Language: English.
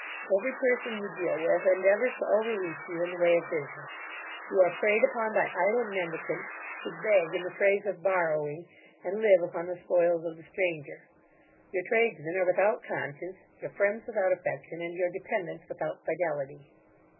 Every person you deal with endeavours to overreach you in the way of business; you are preyed upon by idle mendicants, who beg in the phrase of borrowing, and live upon the spoils of the stranger Your tradesmen are without conscience, your friends without affection, and your dependents without fidelity.